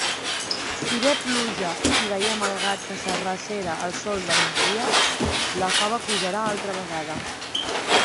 Si ve pluja i veiem el gat que s'arrecera al sol de migdia, la fava pujarà altra vegada.